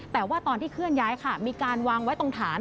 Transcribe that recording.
แต่ว่าตอนที่เคลื่อนย้ายค่ะมีการวางไว้ตรงฐาน